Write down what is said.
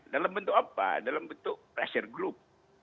dalam bentuk apa dalam bentuk pressure group